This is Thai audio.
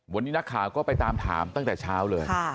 วันนี้นักข่าวก็ไปตามถามตั้งแต่เช้าเลย